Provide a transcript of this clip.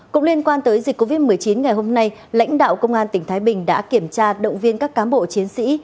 cũng liên quan tới dịch covid một mươi chín ngày hôm nay lãnh đạo công an tỉnh thái bình đã kiểm tra động viên các cán bộ chiến sĩ